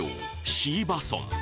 椎葉村